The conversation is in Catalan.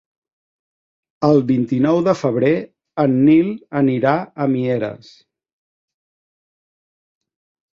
El vint-i-nou de febrer en Nil anirà a Mieres.